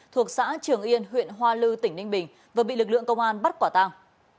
thuộc xã trường yên huyện hoa lư tỉnh ninh bình vừa bị lực lượng công an bắt quả tàng